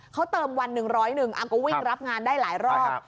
เขาเติมวัน๑๐๑ก็วิ่งรับงานได้หลายรอบ